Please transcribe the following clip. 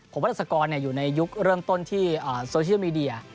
ผมว่าดัศกรอยู่ในยุคเริ่มต้นที่โซเชียลมีเดีย